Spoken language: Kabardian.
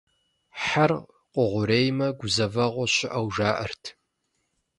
Хьэр къугъуреймэ, гузэвэгъуэ щыӏэу жаӏэрт.